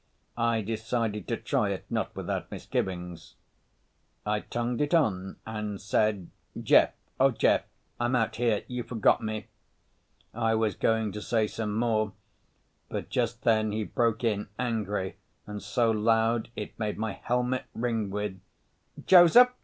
I decided to try it, not without misgivings. I tongued it on and said, "Jeff. Oh, Jeff. I'm out here. You forgot me." I was going to say some more, but just then he broke in, angry and so loud it made my helmet ring, with, "Joseph!